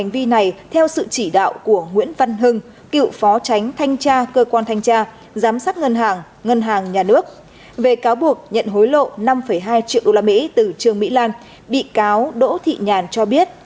về cáo buộc nhận hối lộ năm hai triệu đô la mỹ từ trường mỹ lan bị cáo đỗ thị nhàn cho biết